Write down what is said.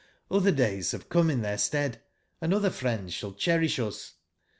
Otber days bavc come in tbeir stead, & otber friends sball cberisb us.